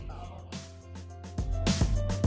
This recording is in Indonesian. salam edukasi edufit